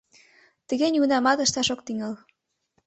— Тыге нигунамат ышташ ок тӱҥал.